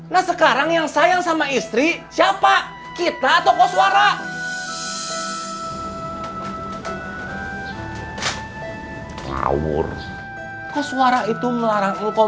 nah sekarang yang sayang sama istri siapa kita atau kau suara kau suara itu melarang engkau